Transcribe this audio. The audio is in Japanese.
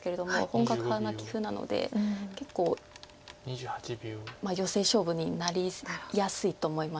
本格派な棋風なので結構ヨセ勝負になりやすいと思います。